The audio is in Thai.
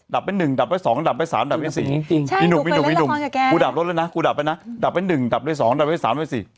ดับไฟหนึ่งดับไฟสองดับไฟสามดับไฟสี่อิหนุ่มอิหนุ่มอิหนุ่มกูดับรถละนะดับไฟหนึ่งดับไฟสองดับไฟสามดับไฟสี่